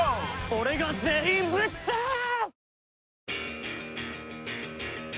「俺が全員ぶっとばす！」